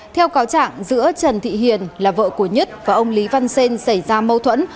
theo cáo trạng giữa trần thị hiền là vợ của nhất và ông lý văn xên xảy ra mâu thuẫn